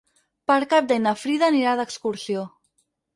Per Cap d'Any na Frida anirà d'excursió.